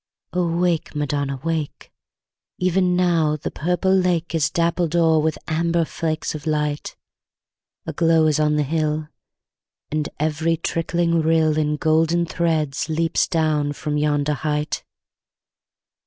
O wake, Madonna! wake; Even now the purple lake Is dappled o'er with amber flakes of light; A glow is on the hill; And every trickling rill In golden threads leaps down from yonder height.